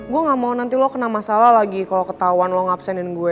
gue gak mau nanti lo kena masalah lagi kalau ketahuan lo ngabsenin gue